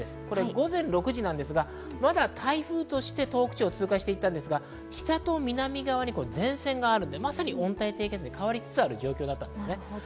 午前６時ですが、まだ台風として東北地方を通過していったんですが、北と南側に前線があるので、温帯低気圧に変わりつつある状況だったんです。